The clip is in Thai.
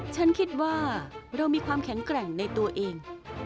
ฉันคิดว่าเรามีความแข็งแกร่งในตัวเอง